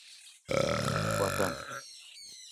موں اوطن